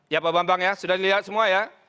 ya pak bambang ya sudah dilihat semua ya